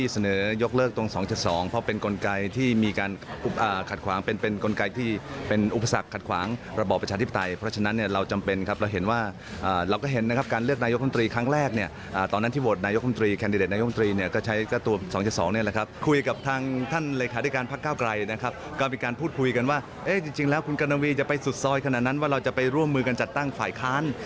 สุดซอยขนาดนั้นว่าเราจะไปร่วมมือกันจัดตั้งฝ่ายค้าน